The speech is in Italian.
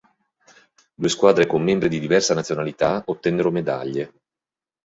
Due squadre con membri di diversa nazionalità ottennero medaglie.